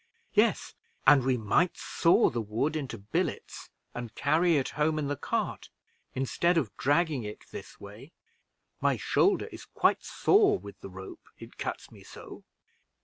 "Yes, and we might saw the wood into billets, and carry it home in the cart, instead of dragging it in this way; my shoulder is quite sore with the rope, it cuts me so."